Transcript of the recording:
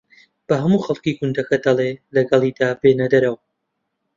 بە ھەموو خەڵکی گوندەکە دەڵێ لەگەڵیدا بێنە دەرەوە